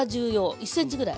１ｃｍぐらい。